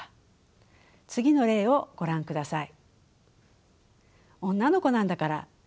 次の例をご覧ください。